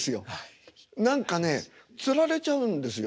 何かねつられちゃうんですよ